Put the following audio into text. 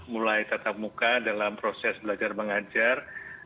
mulai tatap muka dalam proses belajar mengajar